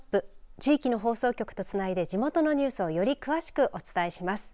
地域の放送局とつないで地元のニュースをより詳しくお伝えします。